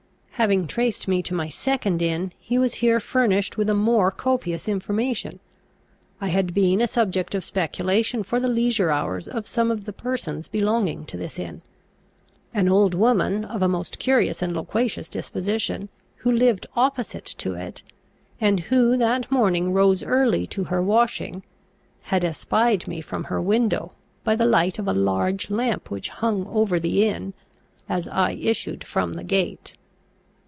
Having traced me to my second inn, he was here furnished with a more copious information. I had been a subject of speculation for the leisure hours of some of the persons belonging to this inn. An old woman, of a most curious and loquacious disposition, who lived opposite to it, and who that morning rose early to her washing, had espied me from her window, by the light of a large lamp which hung over the inn, as I issued from the gate.